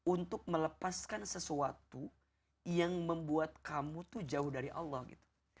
untuk melepaskan sesuatu yang membuat kamu tuh jauh dari allah gitu